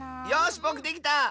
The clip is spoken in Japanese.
よしぼくできた！